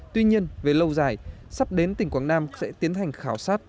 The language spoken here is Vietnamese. tuy nhiên về lâu dài sắp đến tỉnh quảng nam sẽ tiến hành khảo sát